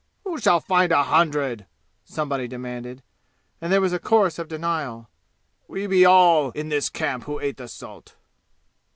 "Who shall find a hundred?" somebody demanded, and there was a chorus of denial. "We be all in this camp who ate the salt."